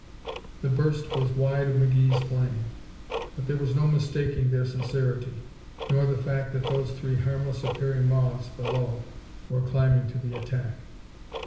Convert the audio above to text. The burst was wide of McGee's plane, but there was no mistaking their sincerity nor the fact that those three harmless appearing moths below were climbing to the attack.